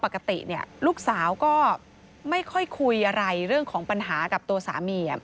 บอกว่าปกติเนี่ยลูกสาวก็ไม่ค่อยคุยอะไรเรื่องของปัญหากับตัวสามีอ่ะ